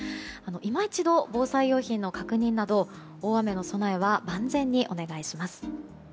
今一度、防災用品の確認など大雨の備えは万全にお願いします。